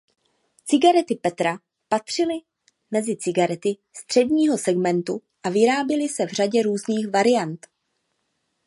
Cigarety Petra patřily mezi cigarety středního segmentu a vyráběly se v řadě různých variant.